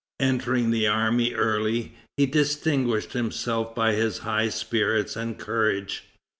Entering the army early, he distinguished himself by his high spirits and courage.